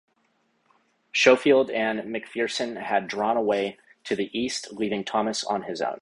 Schofield and McPherson had drawn away to the east, leaving Thomas on his own.